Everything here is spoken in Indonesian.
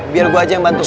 biar gue aja yang bantu